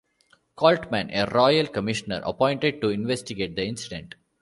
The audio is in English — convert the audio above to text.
Coltman, a Royal Commissioner appointed to investigate the incident.